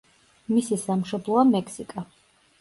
მისი სამშობლოა მექსიკა.